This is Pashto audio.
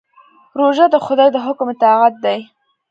روژه د خدای د حکم اطاعت دی.